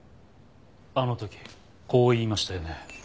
あの時こう言いましたよね。